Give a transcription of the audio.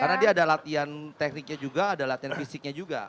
karena dia ada latihan tekniknya juga ada latihan fisiknya juga